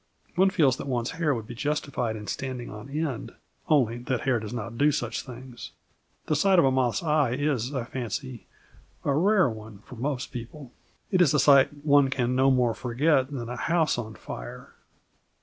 One feels that one's hair would be justified in standing on end, only that hair does not do such things. The sight of a moth's eye is, I fancy, a rare one for most people. It is a sight one can no more forget than a house on fire.